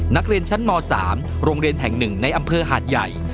นักเรียนชั้นม๓โรงเรียนแห่ง๑ในอำเภอหาดใหญ่